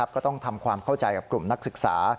ก็ต้องทำความเข้าใจกับกลุ่มนักศึกษา